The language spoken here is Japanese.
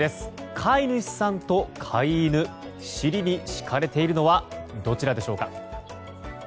飼い主さんと飼い犬尻に敷かれているのはどちらでしょうか？